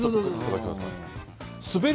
滑る？